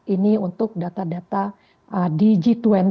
ini untuk data data di g dua puluh